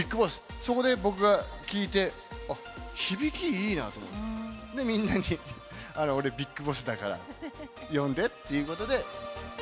そこで僕が聞いて、あっ、響きいいなと思って、で、みんなに、俺、ビッグボスだから呼んでっていうことで。